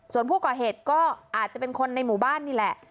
ส่วนผู้ก่อเหตุก็อาจจะเป็นคนในหมู่บ้านนี่แหละ